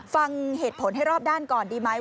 ฟังเหตุผลให้รอบด้านก่อนดีไหม